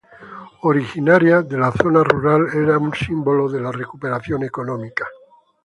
Originaria de la zona rural, era un símbolo de la recuperación económica.